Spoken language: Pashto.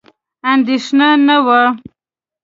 اندېښنه نه وه.